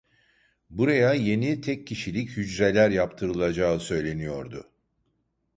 Buraya yeni tek kişilik hücreler yaptırılacağı söyleniyordu.